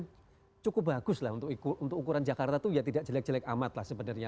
ini cukup bagus lah untuk ukuran jakarta itu ya tidak jelek jelek amat lah sebenarnya